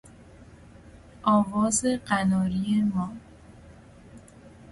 آواز قناری ما